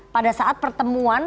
pada saat pertemuan